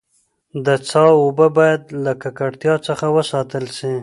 د څاه اوبه باید له ککړتیا څخه وساتل سي.